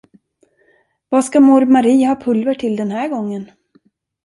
Vad ska mor Marie ha pulver till den här gången?